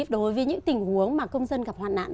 đối với những tình huống mà công dân gặp hoạn nạn